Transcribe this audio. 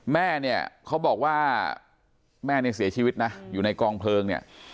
แม่เนี่ยเขาบอกว่าแม่เนี่ยเสียชีวิตนะอยู่ในกองเพลิงเนี่ย